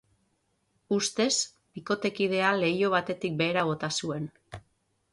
Ustez, bikotekidea leiho batetik behera bota zuen.